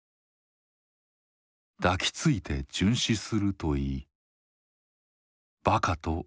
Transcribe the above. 「抱きついて殉死するといいバカと叱られる」。